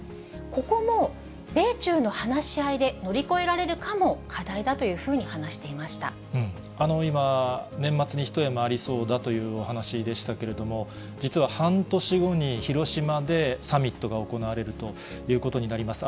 ここも米中の話し合いで乗り越えられるかも課題だというふうに話今、年末に一山ありそうだというお話でしたけれども、実は半年後に広島でサミットが行われるということになります。